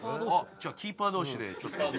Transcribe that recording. じゃあキーパー同士でちょっと。